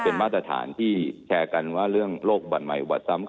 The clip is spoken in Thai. เป็นมาตรฐานที่แชร์กันว่าเรื่องโรคบัตรใหม่อุบัดซ้ำ